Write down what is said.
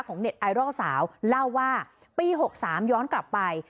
เน็ตไอดอลสาวเล่าว่าปี๖๓ย้อนกลับไป